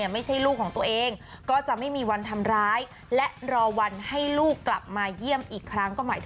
บางวันก็ไม่อยากพูดกับใคร